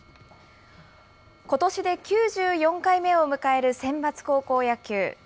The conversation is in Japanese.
ことしで９４回目を迎えるセンバツ高校野球。